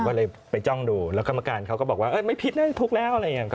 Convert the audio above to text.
ก็เลยไปจ้องดูแล้วกรรมการเขาก็บอกว่าไม่ผิดนะทุกข์แล้วอะไรอย่างนี้